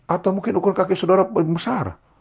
atau mungkin ukuran kaki saudara besar